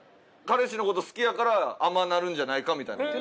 彼氏の事好きやから甘なるんじゃないかみたいな事？